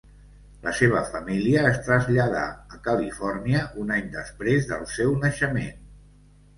La seva família es traslladà a Califòrnia un any després del seu naixement.